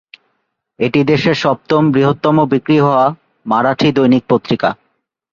এটি দেশের সপ্তম বৃহত্তম বিক্রি হওয়া মারাঠি দৈনিক পত্রিকা।